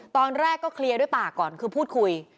ตอนแรกก็เคลียร์ด้วยปากก่อนคือพูดคุย